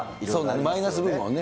マイナス面をね。